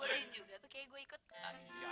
boleh juga tuh kayak gua ikut